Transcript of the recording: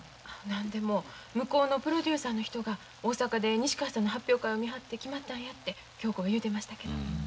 何でも向こうのプロデューサーの人が大阪で西川さんの発表会を見はって決まったんやて恭子が言うてましたけど。